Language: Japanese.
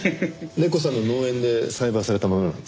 ネコさんの農園で栽培されたものなんです。